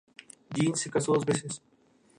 Jeans se casó dos veces.